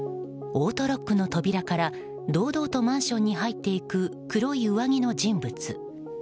オートロックの扉から堂々とマンションに入っていく黒い上着の人物。